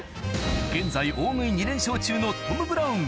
現在大食い２連勝中の「トム・ブラウン」